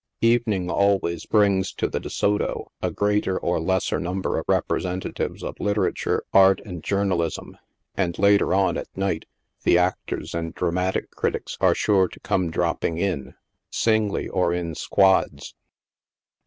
Evening always brings to the De Soto a greater or lesser number of representatives of literature, art and journalism, and later on at night, the actors and dramatic critics are sure to come dropping in, singly, or in squads.